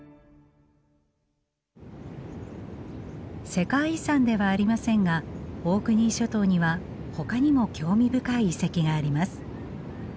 世界遺産ではありませんがオークニー諸島にはほかにも興味深い遺跡があります。